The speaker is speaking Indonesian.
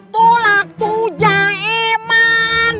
tulak tuja emang